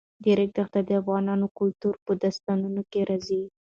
د ریګ دښتې د افغان کلتور په داستانونو کې راځي.